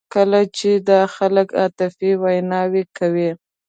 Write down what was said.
کله چې دا خلک عاطفي ویناوې کوي.